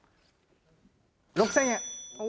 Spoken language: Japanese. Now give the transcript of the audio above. ６０００円。